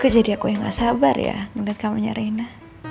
kok jadi aku yang gak sabar ya liat kamarnya reina